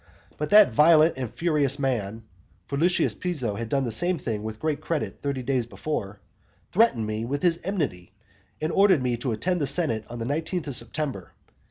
But that violent and furious man (for Lucius Piso had done the same thing with great credit thirty days before) threatened me with his enmity, and ordered me to attend the senate on the nineteenth of September.